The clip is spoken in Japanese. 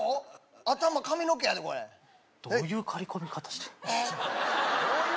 頭髪の毛やでこれどういう刈り込み方してんの？